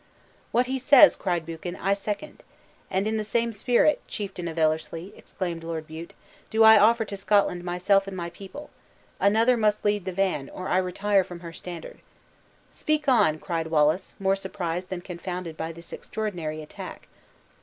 "What he says," cried Buchan, "I second." "And in the same spirit, chieftain of Ellerslie," exclaimed Lord Bute, "do I offer to Scotland myself and my people. Another must lead the van, or I retire from her standard." "Speak on!" cried Wallace, more surprised than confounded by this extraordinary attack.